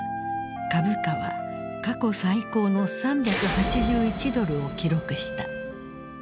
株価は過去最高の３８１ドルを記録した。